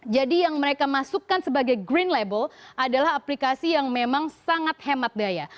jadi yang mereka masukkan sebagai green label adalah aplikasi yang memang sangat hemat daya